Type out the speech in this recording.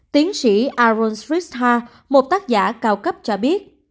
tiến sĩ aaron schristha một tác giả cao cấp cho biết